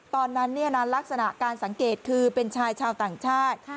ตอนนั้นลักษณะการสังเกตคือเป็นชายชาวต่างชาติ